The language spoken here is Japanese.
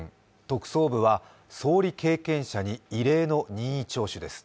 特捜部は総理経験者に異例の任意聴取です。